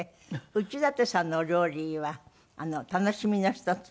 内館さんのお料理は楽しみの一つ。